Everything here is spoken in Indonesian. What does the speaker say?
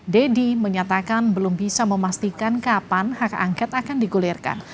deddy menyatakan belum bisa memastikan kapan hak angket akan digulirkan